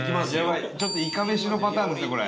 ちょっと、いかめしのパターンですね、これ。